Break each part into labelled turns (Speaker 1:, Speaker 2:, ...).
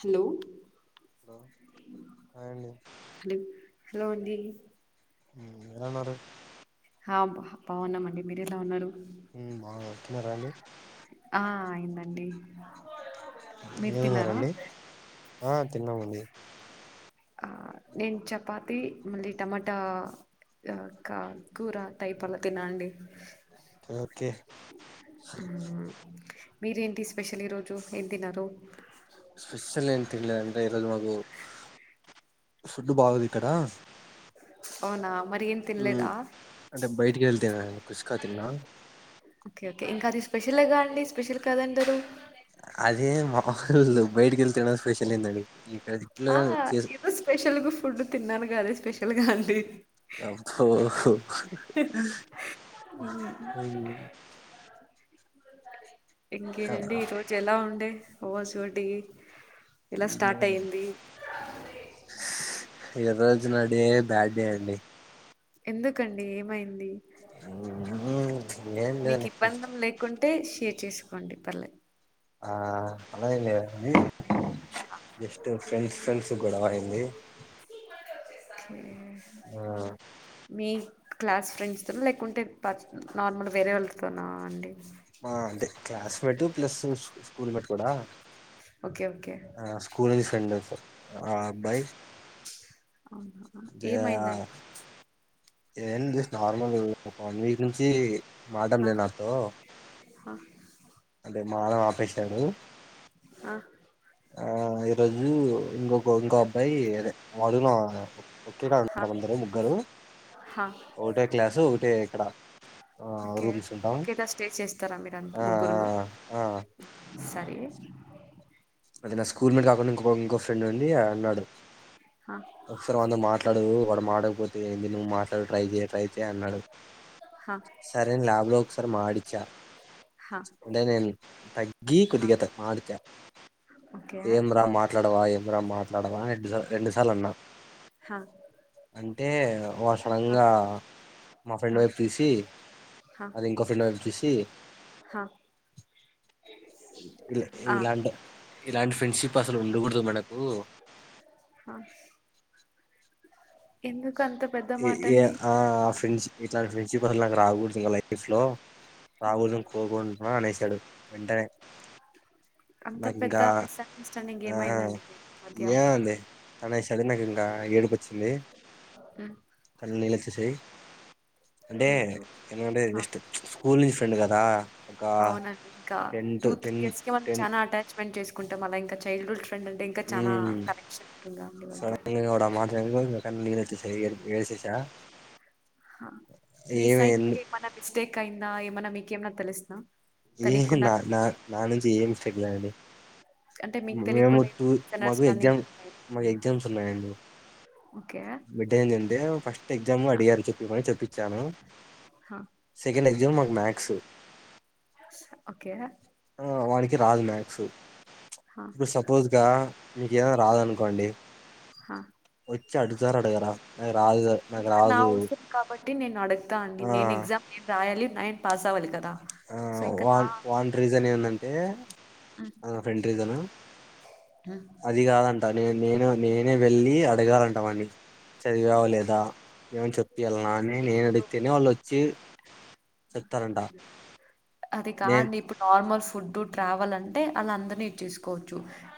Speaker 1: Hello
Speaker 2: hello hi అండి.
Speaker 1: Hello hello అండి.
Speaker 2: ఎలా ఉన్నారు.
Speaker 1: హా బా బాగున్నామండి మీరెలా ఉన్నారు.
Speaker 2: ఊ బాగ తిన్నారా అండి.
Speaker 1: ఆ అయిందండి మీరు
Speaker 2: ఏం
Speaker 1: తిన్నారా
Speaker 2: తిన్నారండి ఆ తిన్నామండి.
Speaker 1: ఆ నేను చపాతి మళ్ళీ టమాటా క కూర తైపల్ తిన్నానండి.
Speaker 2: ఓకే
Speaker 1: మ్మ్. మీరేంటి స్పెషల్ ఈరోజు ఏం తిన్నారు.
Speaker 2: స్పెశ్శలేం తినలేదంటే ఈ రోజు మాకు ఫుడ్ బాగోదు ఇక్కడ
Speaker 1: అవునా మరి ఏం తిన్లేదా
Speaker 2: కుష్ కాతిన్నా
Speaker 1: ఓకే ఓకే ఇంకాది స్పెషలేగా మళ్లీ స్పెషల్ కాదంటారు
Speaker 2: లేవు బయటికి వెళ్లి తినడం స్పెషల్ ఏంది అని
Speaker 1: ఆ ఇది స్పెషల్ ఫుడ్ తిన్నాను కాదదు స్పెషల్ కదా అండి
Speaker 2: అబ్బో
Speaker 1: ఇంకేనండి ఈ రోజు ఎలా ఉండే హౌ ఇస్ యువర్ డే
Speaker 2: ఏముంది ఏం లేదు ఏదో నా డే బ్యాడ్ డే అండి
Speaker 1: ఎందుకండి ఏమైంది
Speaker 2: ఏం
Speaker 1: మీకు
Speaker 2: లేదండి జస్ట్
Speaker 1: ఇబ్బంధం లేకుంటే షేర్ చేసుకో చెప్పండి పర్లే
Speaker 2: ఆ అలా ఎం లేదు జస్ట్ ఫ్రెండ్స్ ఫ్రెండ్స్ గొడవ అయింది
Speaker 1: ఓకే
Speaker 2: ఆ
Speaker 1: మీ క్లాస్ ఫ్రెండ్స్తో లేకుంటే పర్ నార్మల్ వేరే వాళ్ళతోనా అండి
Speaker 2: అదే క్లాస్మేట్ ప్లస్ స్కూల్ మేట్ కూడా
Speaker 1: ఓకే ఓకే
Speaker 2: ఆ స్కూల్ నుంచి ఫ్రెండ్ ఆ అబ్బాయి
Speaker 1: అవునా
Speaker 2: జ-
Speaker 1: ఏమైందండి
Speaker 2: ఏం నార్మల్ ఒక వన్ వీక్ నుంచి మాడం లేదు నాతో
Speaker 1: ఆహా
Speaker 2: అంటే మాట్లాడడం ఆపేశాడు
Speaker 1: ఆ
Speaker 2: ఆ ఈరోజు ఇంకొక ఇంకో అబ్బాయిఅదే వాడు నా ఒకేగా
Speaker 1: హా
Speaker 2: ఉంట అందరు ముగ్గురు
Speaker 1: హా
Speaker 2: ఒకటే క్లాసు ఒకటే ఇక్కడ ఆ
Speaker 1: ఓకే
Speaker 2: రూమ్స్ ఉంటాం
Speaker 1: ఒకెదా స్టే చేస్తారా మీరుంత
Speaker 2: ఆ
Speaker 1: ముగ్గురు ను
Speaker 2: ఆ ఆ.
Speaker 1: సరే
Speaker 2: అది నా స్కూల్ మేట్ కాకుండా ఇంకో ఇంకో ఫ్రెండ్ ఉంది అన్నాడు
Speaker 1: హా
Speaker 2: సర్ వన్ తో మాట్ ఆ వాడు మాట్కపోతే ఏంది నువ్వు మాట్లాడు ట్రై చెయ్ ట్రై చెయ్ అన్నాడు
Speaker 1: హా
Speaker 2: సరే లాబ్ లో ఒకసారి మాడిచ్చా
Speaker 1: హా
Speaker 2: అంటే నేన్ తగ్గి
Speaker 1: హా.
Speaker 2: కొద్దిగన్ త మాడిచా
Speaker 1: ఓకే
Speaker 2: ఏం రా మాట్లాడవా ఏమ్ అ మాట్లాడవా రెండు రెండు సార్లు అన్నా
Speaker 1: హా
Speaker 2: అంటే వా
Speaker 1: హా
Speaker 2: సడంగా మా ఫ్రెండ్
Speaker 1: హా
Speaker 2: వైపు చూసి
Speaker 1: హ
Speaker 2: అది ఇంకో ఫ్రెండ్ వైపు చూసి
Speaker 1: హ ఆ
Speaker 2: ఇలాంటి ఇలాంటీ ఫ్రెండ్షిప్ అసలు ఉండకూడదు మనకు
Speaker 1: ఆ ఎందుక్
Speaker 2: ఏ ఏ ఆ ఫ్రెంస్ ఇట్లాంటి ఫ్రెండ్స్ఇప్ రాకూడదు ఇకా లైఫ్ లో
Speaker 1: ఉమ్,
Speaker 2: రావాలని కోరుకున అనేశాడు వెంటనే
Speaker 1: అంత
Speaker 2: నాకు
Speaker 1: పెద్ద
Speaker 2: ఇంకా
Speaker 1: మిస్ అండర్స్టాండింగ్
Speaker 2: ఆ
Speaker 1: ఏమైందండి మధ్య
Speaker 2: ఏముంది అనేసాడు నాకు ఇంకా ఏడుపొచ్చింది
Speaker 1: ఆ
Speaker 2: నీలోచేశయ్ స్కూల్ నుంచి ఫ్రెండ్ కదా ఒక
Speaker 1: అవునండి ఇంకా
Speaker 2: tenth
Speaker 1: two three
Speaker 2: ten
Speaker 1: years క మనం
Speaker 2: టెన్
Speaker 1: చానా అటాచ్మెంట్ చేసుకుంటాం అ ఇంకా చైల్డ్ హుడ్ డ్ అంటే ఇంకా చాన
Speaker 2: మ్మ్
Speaker 1: కనెక్షన్ ఉంటుందిగా అండి వాళ్లతో
Speaker 2: నేన్ అట్లా సైడ్ కి వెళ్ళిపోయి ఏడ్చేసా
Speaker 1: మీ
Speaker 2: ఏమి
Speaker 1: సైడ్ నుంచి
Speaker 2: ఎందు-
Speaker 1: ఏమైనా మిస్ టేక్ అయిందా ఏమన్నా మీకేమన్నా తెలుసినా
Speaker 2: ఏ నా నా నా నుంచి ఏ మిస్టేక్ లేదండి
Speaker 1: అంటే మీకు
Speaker 2: మేము
Speaker 1: తెలియకుండా
Speaker 2: టూ
Speaker 1: ఏమైనా
Speaker 2: మాకు
Speaker 1: మిస్అండర్స్టాండింగ్
Speaker 2: ఎగ్జామ్ మాకు ఎగ్జామ్స్ ఉన్నాయండి
Speaker 1: ఓకే
Speaker 2: మీటంటే ఉంది ఫస్ట్ ఎగ్జామ్
Speaker 1: హ,
Speaker 2: అడిగారు చెప్పిమని చెప్పించాను
Speaker 1: హ,
Speaker 2: సెకండ్ ఎగ్జామ్ మాకు మ్యాక్స్
Speaker 1: ఓకే
Speaker 2: వానికి రాదు మ్యాక్స్
Speaker 1: హ.
Speaker 2: ఇప్పుడు సపోజ్గా మీకు ఏమ్ రాదనుకోండి
Speaker 1: హా
Speaker 2: ఇసర అడుగుతార అడుగరా నాకురాదుగ
Speaker 1: ఇక్కడ నా అవసరం కాబట్టి నేను అడుగుతా అండి నేను
Speaker 2: ఆ
Speaker 1: ఎగ్జామ్ ఏం రాయాలి నైన్
Speaker 2: ఆ వాన్ వాన్ రీజన్ ఏందంటే
Speaker 1: ఉమ్,
Speaker 2: మా ఫ్రెండ్ రీజన్
Speaker 1: ఉమ్.
Speaker 2: అది కాదంట నేన్ నేను నేనే వెళ్ళి అడగాలంటా వాన్ని చదివావా లేదా ఏమన్న చెప్పియలన అని నేను
Speaker 1: ఇప్పుడు
Speaker 2: అడిగితేనే వాళ్ళు వచ్చెది సే [inaudible] వత్తారాంట
Speaker 1: అది కా అండి ఇప్పుడు నార్మల్ ల్స్ ఫుడ్ ట్రావెల్ అంటే ఆళ్ళు అందరినీ ఎచేసుకొ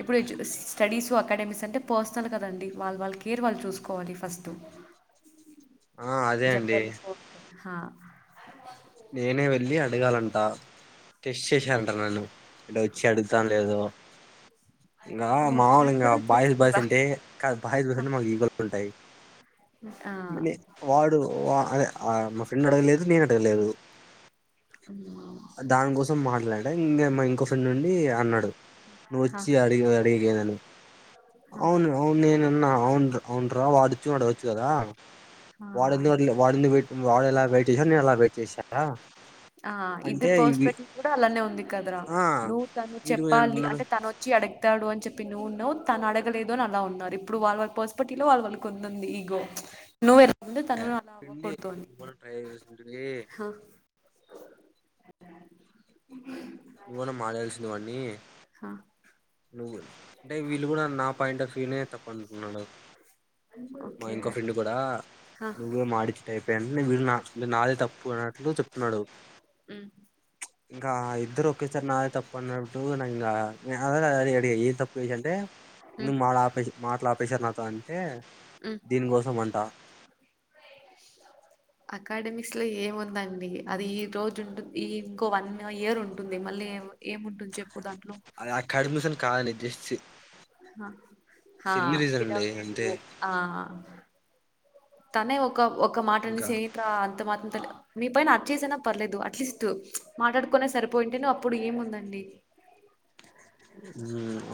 Speaker 1: ఇప్పుడు స్టడీస్ అకాడమిక్స్ అంటే పర్సనల్ కదండి వాళ్ళ వాళ్ళ కేర్ వాళ్ళు చూసుకోవాలి ఫస్ట్
Speaker 2: ఆ అదే అండి
Speaker 1: హ
Speaker 2: నేనే వెళ్ళి అడగాలంట టెస్ట్ చేసారంట నన్ను అండ్ వచ్చి అడుగుతాను లేదో ఇంకా
Speaker 1: ఓ
Speaker 2: మామూలు
Speaker 1: నాకు
Speaker 2: ఇంకా
Speaker 1: కూడా
Speaker 2: బాయిస్ బాయిస్
Speaker 1: చేస్తుందా
Speaker 2: అంటే కాదు బాయిస్ బాయిస్
Speaker 1: హా
Speaker 2: అంటే మాకు ఈగొల్ ఉంటాయి
Speaker 1: ఆ
Speaker 2: ఇలె వాడు అదే ఆ ప్రెండ్ అడగలేదు నేను అడగలేదు
Speaker 1: ఉమ్.
Speaker 2: దానికోసం మాట్లాడ ఇంగేం ఇంకోసం ప్రెండ్ ఉండి అన్నాడు
Speaker 1: హా
Speaker 2: నువ్వొచ్చి అడిగి అడిగే నను అవును అవును నేనన్నా అవును అవున్రా వాడచ్చు అడగచ్చు కదా
Speaker 1: హా
Speaker 2: వాడేందుకు అడిగలే వాడేఎందుకు పేట్ వాడలా బయటె సాను నేను అలాగ వచ్చెసార
Speaker 1: ఆ ఇది పర్స్పెక్టు కూడా అలానే ఉంది కదరా
Speaker 2: ఆ
Speaker 1: నువ్వు తను
Speaker 2: వీడు పోయి
Speaker 1: చెప్పాలి
Speaker 2: అంటున్నాడు
Speaker 1: అంటే తన వచ్చి అడగ అడగతాడు అని చెప్పి నువ్వు ఉన్నవ్ తను అడగలేదు అని అలా ఉన్నారు ఇప్పుడు వాల్వాళ్ల పర్స్పెక్టివ్ లో వాళ్ళ వాళ్ళకి ఉంది ఈగో నువె
Speaker 2: ప్రెండ్ లీ లేకపొతే మనం ట్రైచేస్తుంటిమి
Speaker 1: ఆ!
Speaker 2: నువ్వనా మారాల్సిన వన్నీ
Speaker 1: ఆ!
Speaker 2: నువ్వు అంటే వీళ్ళు కూడా నా పాయింట్ రఫీనే తప్ప అంటున్నాడు మా
Speaker 1: ఓకే.
Speaker 2: ఇంకో ఫ్రెండ్ కూడా
Speaker 1: ఆ!
Speaker 2: నువ్వే మాడిచె టైపే అని నేను చూసిన నే నాదె తప్పు అన్నట్లు చెప్తున్నాడు
Speaker 1: హ్మ్.
Speaker 2: ఇంకా ఇద్దరు నాదే తప్ప అన్నబుడు నాకింక ఆల్రెడీ అడిగ ఏ తప్పు చేష అంటే ఇందు
Speaker 1: హ్మ్.
Speaker 2: మాట ఆపేసి మాట్లా ఆపేసరు నాకు త అంతే
Speaker 1: హ్మ్.
Speaker 2: దీనికోసం అంట
Speaker 1: అకాడమిక్స్ లో ఏముందండి అది ఈ రోజు ఉంటుంది ఈ ఇంకో వన్ ఇయర్ ఉంటుంది మళ్ళీ ఏము ఏముంటుంది చెప్పు దాంట్లో
Speaker 2: చి
Speaker 1: హ హా పిడ
Speaker 2: అండి
Speaker 1: ఫ్రె
Speaker 2: అంతే
Speaker 1: ఉ ఆ తనే ఒ ఒక ఒక మాట
Speaker 2: ఇంకా
Speaker 1: అనేసి ఏంట్రా అంత మా థాట్ మీ పైన అర్ చేసినా పర్లేదు అట్లీస్ట్ మాట్లాడుకునే సరిపోయింటేను అప్పుడు ఏముందండి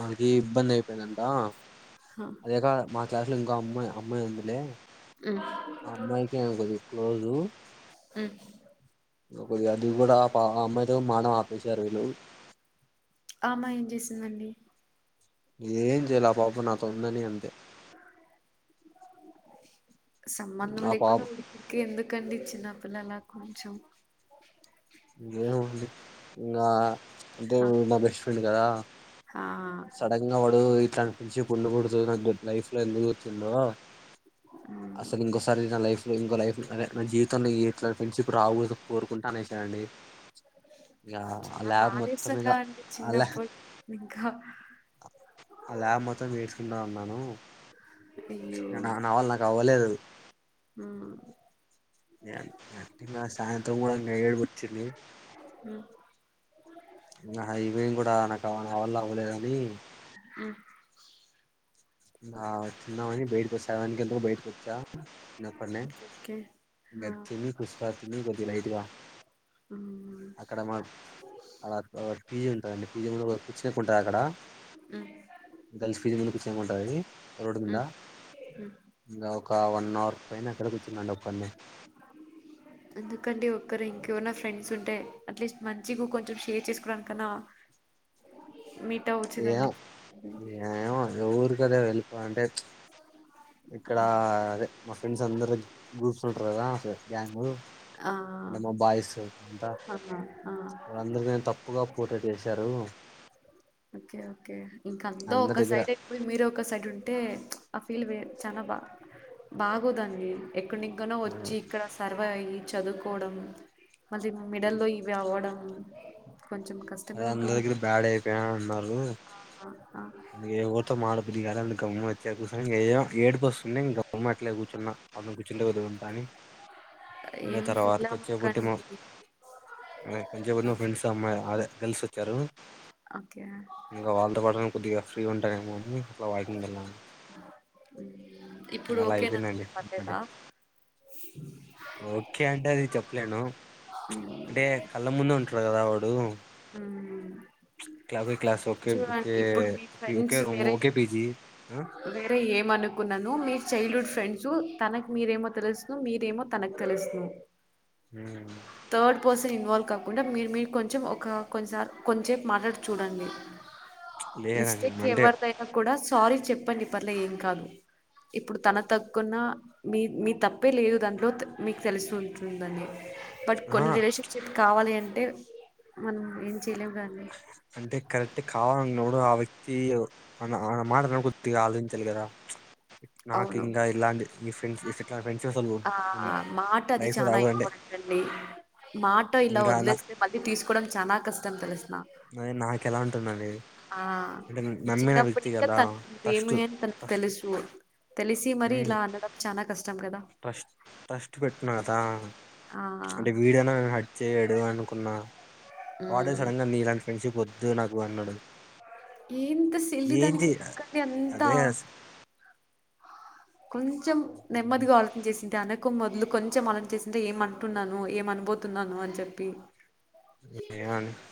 Speaker 2: ఆలకి ఇబ్బంది అయి ఏందంట
Speaker 1: హా
Speaker 2: అదేకాదు మా క్లాస్ లో ఇంకో అమ్మాయి అమ్మాయి ఉందిలే
Speaker 1: హ్మ్
Speaker 2: ఆ అమ్మాయికి నేను కొద్దిగా క్లోజ్
Speaker 1: హ్మ్
Speaker 2: ది అది కూడా అమ్మాయితో మానం ఆపేశారు వీళ్ళు
Speaker 1: ఆ అమ్మాయి ఏం చేసిందండి
Speaker 2: ఏం చేయాల ఆ పాప నాతో ఉందని అంతే
Speaker 1: సంబంధం
Speaker 2: ఆ పాప
Speaker 1: లేకుండా మీకి ఎందుకండి చిన్నపిల్లలా కొంచెం
Speaker 2: ఇంగ అంటే
Speaker 1: హా
Speaker 2: నా బెస్ట్ ఫ్రెండ్ కదా
Speaker 1: హా
Speaker 2: సడంగా వాడు ఫ్రెండ్షిప్ ఉండకూడదు నాకు లైఫ్ లో ఎందుకు వచ్చిందో
Speaker 1: హ్మ్
Speaker 2: అసలు ఇంకోసారి నా లైఫ్ ఇ ఇంకో లైఫ్ అదే నా జీవితంలో ఇట్లా ఫ్రెండ్షిప్ రాకూడదని కోరుకుంటా అనేసారండి
Speaker 1: భాదేస్తుంది కదండి ఇంకా
Speaker 2: ఆ ల్యా
Speaker 1: చిన్నప్పు ఇంకా
Speaker 2: ఆ ల్యాబ్ మొత్తం ఏడ్చింది కుంటూ ఉన్నాను
Speaker 1: అయ్యో
Speaker 2: నా నా వళ్ళ నాకు అవ్వలేదు
Speaker 1: హ్మ్
Speaker 2: సాయంత్రం కూడా ఏడుపొచి చండీ
Speaker 1: హ్మ్
Speaker 2: ఈవెనింగ్ కూడా నాకు నా వళ్ళ అవ్వలేదు అండి క్లి
Speaker 1: ఉమ్
Speaker 2: తిందాం అని బయట్కొచ్చా అందుకే బయట్కొచ్చా నేనొక్కడినే
Speaker 1: ఓకే
Speaker 2: ఇంగ
Speaker 1: హా
Speaker 2: తిని కూర్చో [unintelligible] లైట్ గా
Speaker 1: హ్మ్
Speaker 2: అక్కడ మా అక్కడ పిజీ ఉంటదండి పీజీ ముందు కూర్చునే ఉంటుది అక్కడ
Speaker 1: హ్మ్
Speaker 2: గర్ల్స్ పీజీ ముందు కూర్చుంటుంది స రోడ్ మీంద
Speaker 1: హ్మ్ హ్మ్
Speaker 2: ఓకే ఒక వన్ అవర్ పైన అక్కడ కూర్చున్నా అండి ఒక్కణ్ణే
Speaker 1: ఎందుకంటే ఒకరు ఇంకెవరన్న ఫ్రెండ్స్ ఉంట అే అట్లీస్ట్ మంచిగా కొంచెం షేర్ చేసుకునాని కన్నా
Speaker 2: ఏ ఏ ఊరుకదే వెళ్ళ పంటే ఇక్కడ అదే మా ఫ్రెండ్స్ అందర గ్రూప్స్ ఉంటారు గదా గ్యాంగ్
Speaker 1: ఆ
Speaker 2: అంటే మా బాయిస్ అంతా
Speaker 1: అవునా ఆ
Speaker 2: వాళ్ళందర్నీ తప్పుగా పోట్రేట్ జేశారు
Speaker 1: ఓకే ఓకే ఇంకాంత
Speaker 2: అందరి
Speaker 1: ఒక
Speaker 2: దగ్గర
Speaker 1: సైడైపోయ్ మీరే ఒక సైడ్ ఉంటే ఆ ఫీల్ వేర్ చానా బా బాగోదండి ఎకాడ్నింకనో వచ్చి ఇక్కడ సర్వ్ వై చదుకోవడం మళ్ళీ మిడల్ల్లో ఇవి అవ్వడం కొంచెం కష్టమే ఉంటుంది
Speaker 2: అన్ అన్నారు ఎ ఒరితో మడ బుద్ధి గద్ దాన్ గమ్ము వచ్చా కూసోని ఇంగ ఏడుపోస్సుంది. ఇంక గమ్మ అట్లే గుచున్నా [unintelligible] కుచ్చుంటే [unintelligible] త అని ఇంగ
Speaker 1: ఏం ఫీల్
Speaker 2: తర్వాతకోచ్చే కుట్టిమ
Speaker 1: అవ్వకండి
Speaker 2: ఆ కొంచె ముందు మా ఫ్రెండ్స్ అమ్మాయి రా అదే కల్సొచ్చారు
Speaker 1: ఓకే
Speaker 2: ఇంగా వాళ్ళతో పాట్నే ఫ్రీ గుంటరేమో అని అట్లా వాయికి వెళ్నమన్
Speaker 1: ఇప్పుడు
Speaker 2: అలా
Speaker 1: ఓకేనా
Speaker 2: అయిపోయిందండి అంటే
Speaker 1: పర్లేదా
Speaker 2: ఓకే అంటె అది చెప్పలేను అంటే కళ్ళ ముందే ఉంట్రా కదా వాడు ఊ [unintelligible]
Speaker 1: హ్మ్.
Speaker 2: క్లాస్ ఓకే
Speaker 1: చూడండి
Speaker 2: ఓకే
Speaker 1: ఇప్పుడు మీ
Speaker 2: ఓకే
Speaker 1: ఫ్రెండ్స్
Speaker 2: రూము ఓకే పజీ
Speaker 1: ఏమనుకున్నాను మీ చైల్డ్ హుడ్ ఫ్రెండ్స్ తనకు మీరేమో తెలుసు మీరేమో తనక్ తెలిసు
Speaker 2: హ్మ
Speaker 1: పర్సన్ ఇన్వాల్వ్ కాకుండా మీరు మీరు కొంచెం ఒక్ క కొన్నిసార్లు కొంచేప్ మాట్లాడ్ చూడండి మిస్టేక్
Speaker 2: లేదండి అంటే
Speaker 1: ఎవరిదైనా కూడా సో సారీ చెప్పండి పార్లే ఏం కాదు. ఇప్పుడు తన తగ్కున్న మీ మీ తప్పే లేదు దాంట్లో త మీకు తెలూసు ఉంటుందని బట్
Speaker 2: ఆ
Speaker 1: కొన్ని రిలేషన్షిప్ కావాలి అన్ తే హామ్ ఎంది
Speaker 2: అంటే కరెక్ట్ కావాలనోడు ఆవ తి మా కుతి ఆలోచించాలి కదా నాకు
Speaker 1: అవును.
Speaker 2: ఇంకా ఇలాంటి ఇట్లు ప్రెండ్స్
Speaker 1: ఆ మాట అది చనా
Speaker 2: రావాలంటే
Speaker 1: ఇంపార్టెంట్ అండి మాట ఇలా
Speaker 2: ఇంకా నా
Speaker 1: వదిలేస్తే మళ్ళీ తీసుకోవడం చాలా కష్టం తల్
Speaker 2: నాకు ఎలా ఉంటుందండి
Speaker 1: ఆ
Speaker 2: అంటే నమ్మిన
Speaker 1: చిన్నప్పటి
Speaker 2: వ్యక్తి
Speaker 1: ఇంకా
Speaker 2: కదా
Speaker 1: తను ఏమి
Speaker 2: ట్రస్ట్
Speaker 1: అని తన
Speaker 2: ట్రస్ట్
Speaker 1: తెలుసు తెలిసి మరి
Speaker 2: ఉమ్
Speaker 1: ఇలా అనడం చాలా కష్టం కదా
Speaker 2: ట్రస్ట్ ట్రస్ట్ పెట్టినా కదా
Speaker 1: ఆ!
Speaker 2: అంటే వీడనా హట్ చేయ అడుగుదాం అనుకున్నా వాడే
Speaker 1: హ్మ్.
Speaker 2: సడన్గా నీ ఇలాంటి ఫ్రెండ్ షిప్ వద్దు వద్దు నాకు అన్నాడు
Speaker 1: ఏంత సిల్లి
Speaker 2: ఏంటి
Speaker 1: దానికి కానీ అంత
Speaker 2: అదే
Speaker 1: కొంచెం నెమ్మదిగా ఆర్చం చేసింది తనకు మొదలు కొంచెం అలావాటు చేసింటే ఏమ అంటున్నాను ఏమ అనుబతున్నాను అని చెప్పి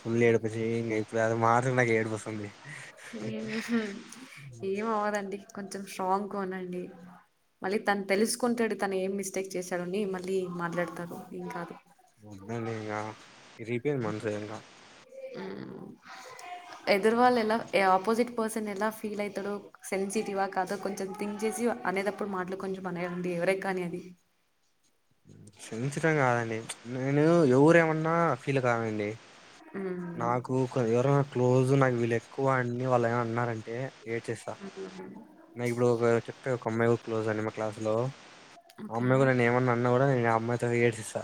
Speaker 2: ఫుల్ ఎడుపు వచ్చి మర నాకు ఎడుపు వస్తుంది
Speaker 1: ఏమ్ అవదండి కొంచెం స్ట్రాంగ్గా ఉండడి మళ్ళీ తను తెలుసుకుంటాడు తను ఏం మిస్టేక్ చేశాడుని మళ్ళీ మాట్లాడతాడు ఏం కాదు
Speaker 2: [unintelligible] రిపేరు మనం చేయంగా
Speaker 1: ఆమ్ ఎదురు వాళ్ళు ఎలా ఆపోజిట్ పర్సన్ ఎలా ఫీల్ అవుతాడు సెన్సిటివ్ ఆ కాదా కొంచెం థింక్ చేసి అనేటప్పుడు మాటలు కొంచెం అనే యండి ఎవరే ఏ కానీ అండి
Speaker 2: క్షమిచడం కాదండి నేను ఎవరేమన్నా ఫీల్ కానండి
Speaker 1: ఉమ్,
Speaker 2: నాకు కొద్దిగా క్లోజు చూడు నాకు వీళ్ళు ఎక్కువ అన్ని వాళ్ళు ఏమన్నా అన్నారంటే ఏడ్చేస్తా
Speaker 1: అమ్
Speaker 2: నాకు ఇప్పుడు ఒక చెప్తే ఒక అమ్మాయి కూడా క్లోజ్ అండి మా క్లాస్ లో ఆ
Speaker 1: ఓకే
Speaker 2: అమ్మాయి కూడా నేను ఏమన్నా అన్నా కూడా నేను అమ్మ మాత్రం ఏడ్ చేస్తా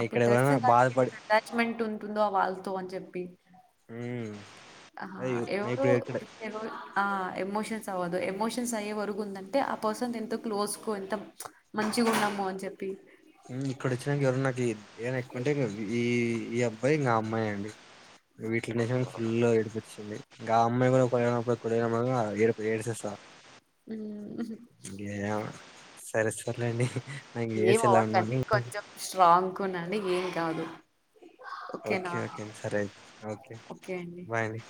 Speaker 1: అప్పుడు తెలుసింది కానీ ఎ అటాచ్మెంట్ ఉంటుందో వాళ్ళతో అని చెప్పి
Speaker 2: మ్మ్
Speaker 1: ఆ
Speaker 2: అదే నే
Speaker 1: ఎవరు
Speaker 2: ఇప్పుడు ఇక్కడ
Speaker 1: ఆ ఎమోషన్స్ దు ఎమోషన్స్ అయ్యే వరకు ఉందంటే, ఆ పర్సన్ ఎంత క్లోజ్ కు ఎంత మంచిగా ఉన్నామో అని చెప్
Speaker 2: ఉమ్ ఇక్కడ వచ్చినంక ఎవరు నాక్ వీద్ ఏమన్న ఎక్కువంటే ఇ ఈ ఈ అబ్బాయి ఇంగా అమ్మాయే అండి. వీటిల నిజం ఫుల్ గా ఏడుపొచ్చింది. ఇంకా ఆ అమ్మాయి కూడా కొ కొ ఏడుపు ఏడుసేస్తా.
Speaker 1: హ్మ్.
Speaker 2: ఇంగ ఏమో సరే స్ సర్లేండి. నా కి ఏసి
Speaker 1: కంటే కొంచెం స్ట్రాంగ్ ఉండండి ఏం కాదు. ఓకేనా?
Speaker 2: ఓకే ఓకే సరే ఓకే బాయ్ అండి.